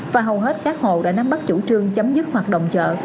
và hầu hết các hộ đã nắm bắt chủ trương chấm dứt hoạt động chợ